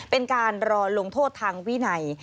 เป็นการรอลงโทษทางวินัย